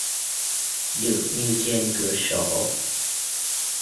Được như trên cửa sổ